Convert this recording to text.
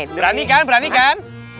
berani kan berani kan